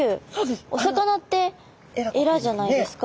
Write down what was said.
お魚ってえらじゃないですか。